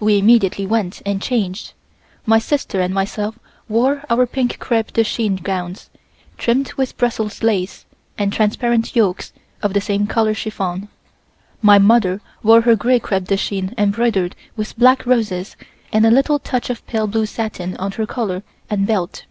We immediately went and changed. My sister and myself wore our pink crepe de chine gowns, trimmed with Brussels lace and transparent yokes of the same color chiffon. My mother wore her gray crepe de chine embroidered with black roses and a little touch of pale blue satin on her collar and belt.